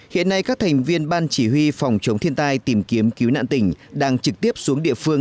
hiện nay các thành viên ban chỉ huy phòng chống thiên tai tìm kiếm cứu nạn tỉnh đang trực tiếp xuống địa phương